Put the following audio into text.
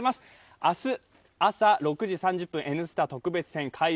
明日朝６時３０分「Ｎスタ特別編開運！